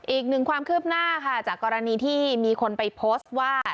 อีกหนึ่งความคืบหน้าค่ะจากกรณีที่มีคนไปโพสต์ว่า